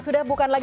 sudah bukan lagi